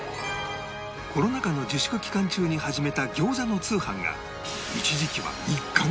コロナ禍の自粛期間中に始めた餃子の通販が